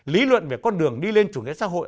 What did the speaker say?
lý luận về con đường đi lên chủ nghĩa xã hội